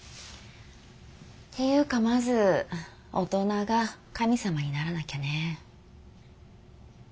っていうかまず大人が神様にならなきゃね。